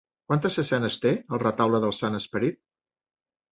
Quantes escenes té el Retaule del Sant Esperit?